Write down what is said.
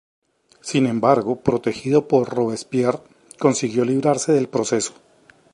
Sin embargo, protegido por Robespierre, consiguió librarse del proceso.